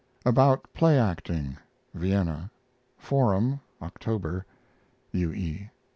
ABOUT PLAY ACTING (Vienna) Forum, October. U. E.